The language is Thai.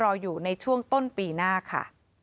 รออยู่ในช่วงต้นปีหน้าค่ะ